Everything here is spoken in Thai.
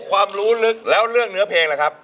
ความรู้ลึกแล้วเรื่องเนื้อเพลงล่ะครับ